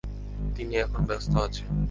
তিনি এখন ব্যাস্ত আছেন।